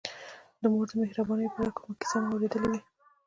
د مور د مهربانیو په اړه که کومه کیسه مو اورېدلې وي.